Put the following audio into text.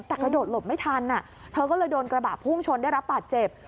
แต่กระโดดหลบไม่ทันเธอก็เลยโดนกระบะพุ่งชนได้รับบาดเจ็บ